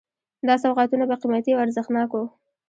دا سوغاتونه به قیمتي او ارزښتناک وو.